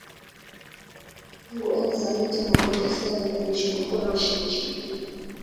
Tangu enzi za Milton Obote askari wanajeshi wamekuwa na ushawishi mkubwa